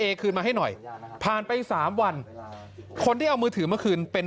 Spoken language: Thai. คืนมาให้หน่อยผ่านไปสามวันคนที่เอามือถือมาคืนเป็น